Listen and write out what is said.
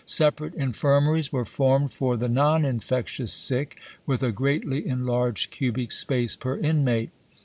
Separate infirmaries were formed for the non infectious sick, with a greatly enlarged cubic space per inmate.